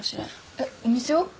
えっお店を？